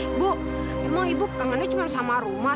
ibu emang ibu kangennya cuma sama rumah